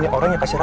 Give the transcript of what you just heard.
tidak ada masalah